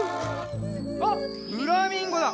あっフラミンゴだ！